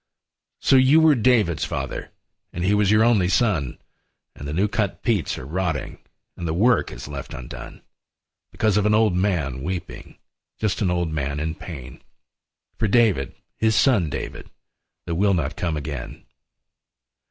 lO you were David's father, And he was your only son, And the new cut peats are rotting And the work is left undone. Because of an old man weeping, Just an old man in pain. For David, his son David, That will not come again.